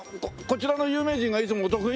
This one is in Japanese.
こちらの有名人がいつもお得意？